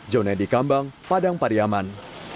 jauh nedi kambang padang pariyaman